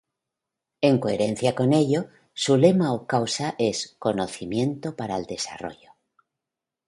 En coherencia con ello, su lema o causa es Conocimiento para el Desarrollo.